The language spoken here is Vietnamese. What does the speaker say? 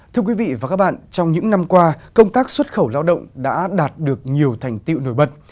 thưa quý vị và các bạn trong những năm qua công tác xuất khẩu lao động đã đạt được nhiều thành tiệu nổi bật